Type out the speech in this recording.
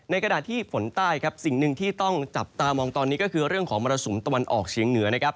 กระดาษที่ฝนใต้ครับสิ่งหนึ่งที่ต้องจับตามองตอนนี้ก็คือเรื่องของมรสุมตะวันออกเฉียงเหนือนะครับ